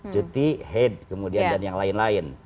cuti hate kemudian dan yang lain lain